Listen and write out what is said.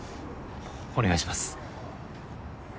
お願いします。